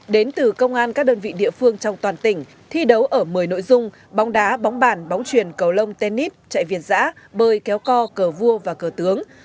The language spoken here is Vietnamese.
đến từ công an các đơn vị địa phương trong toàn tỉnh thi đấu ở một mươi nội dung bóng đá bóng bàn bóng truyền cầu lông tennip chạy việt giã bơi kéo co cờ vua và cờ tướng